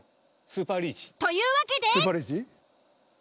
スーパーリーチ。というわけで。